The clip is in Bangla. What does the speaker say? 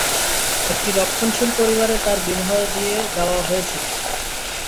একটি রক্ষণশীল পরিবারে তাঁর বিবাহ দিয়ে দেওয়া হয়েছিল।